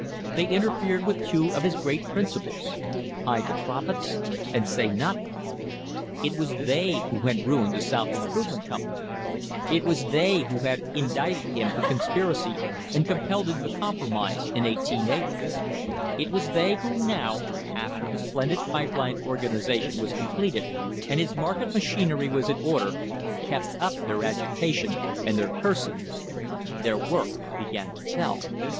They interfered with two of his great principles "hide the prof its" and "say nothing." It was they who had ruined the South Improvement Company; it was they who had indicted him for conspiracy and compelled him to compromise in 1880. It was they who now, after the splendid pipe line organisa tion was completed and his market machinery was in order, kept up their agitation and their cursing. Their work began to tell.